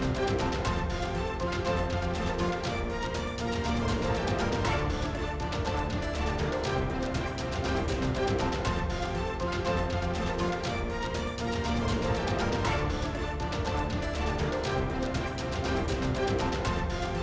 ketua umum istrinya bleymajitquest